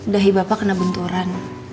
dahi bapak kena benturan